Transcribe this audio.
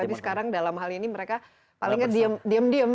tapi sekarang dalam hal ini mereka palingnya diem diem